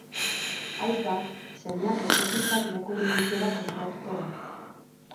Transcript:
Aita, semeak eskutitzak irakurri dituela konturatuko da.